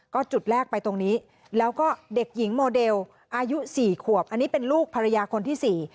ก็จุดแรกไปตรงนี้แล้วก็เด็กหญิงโมเดลอายุสี่ขวบอันนี้เป็นลูกภรรยาคนที่สี่